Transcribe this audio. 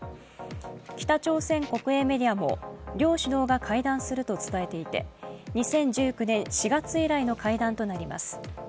北朝鮮国営メディアも両首脳が会談すると伝えていて２０１９年４月以来の会談となります。